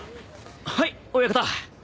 はい親方。